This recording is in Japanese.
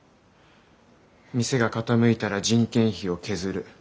店が傾いたら人件費を削る。